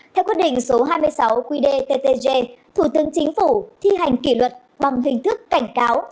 theo quyết định số hai mươi sáu qdttg thủ tướng chính phủ thi hành kỷ luật bằng hình thức cảnh cáo